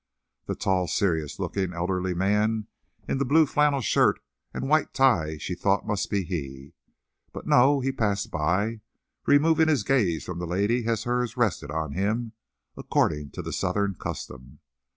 That tall, serious, looking, elderly man in the blue flannel shirt and white tie she thought must be he. But, no; he passed by, removing his gaze from the lady as hers rested on him, according to the Southern custom.